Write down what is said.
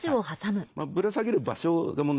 ぶら下げる場所が問題